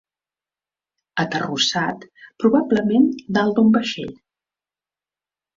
Aterrossat, probablement dalt d'un vaixell.